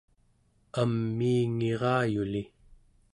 amiingirayuli